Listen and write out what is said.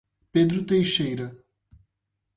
Pedro Teixeira